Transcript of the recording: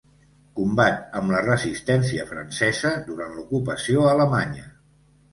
Combat amb la Resistència Francesa durant l'ocupació alemanya.